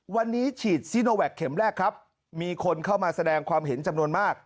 วันนี้ฉีดซีโนแวคเข็มแรกครับมีคนเข้ามาแสดงความเห็นจำนวนมาก